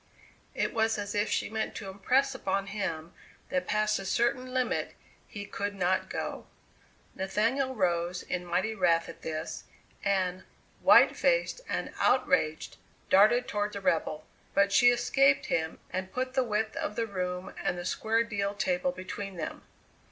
It was as if she meant to impress upon him that past a certain limit he could not go. Nathaniel rose in mighty wrath at this, and, white faced and outraged, darted toward the rebel, but she escaped him and put the width of the room and the square deal table between them.